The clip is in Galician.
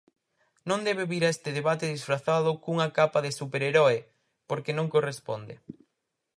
Non debe vir a este debate disfrazado cunha capa de superheroe, porque non corresponde.